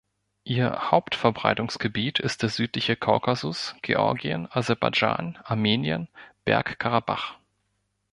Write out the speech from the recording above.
Ihr Hauptverbreitungsgebiet ist der südliche Kaukasus, Georgien, Aserbaidschan, Armenien, Bergkarabach.